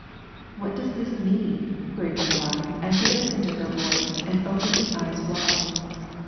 '' What does this mean ?" queried Nikolai, as he listened to her voice and opened his eyes wide.